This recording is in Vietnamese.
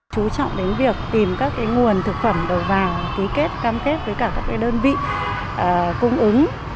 chúng tôi đến việc tìm các nguồn thực phẩm đầu vào ký kết cam kết với các đơn vị cung ứng